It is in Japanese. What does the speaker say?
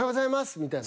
みたいな。